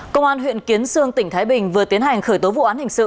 công an huyện kiến sương tỉnh thái bình vừa tiến hành khởi tố vụ án hình sự